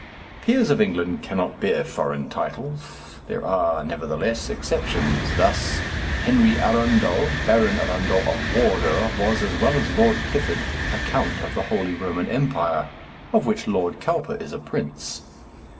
Peers of England cannot bear foreign titles; there are, nevertheless, exceptions; thus Henry Arundel, Baron Arundel of Wardour, was, as well as Lord Clifford, a Count of the Holy Roman Empire, of which Lord Cowper is a prince.